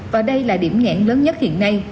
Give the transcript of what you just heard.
và đây là điểm nhẹn lớn nhất hiện nay